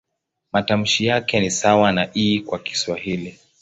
Matamshi yake ni sawa na "i" kwa Kiswahili.